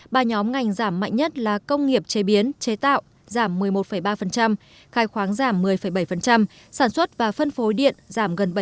ba nhóm ngành giảm mạnh nhất là công nghiệp chế biến chế tạo giảm một mươi một ba khai khoáng giảm một mươi bảy sản xuất và phân phối điện giảm gần bảy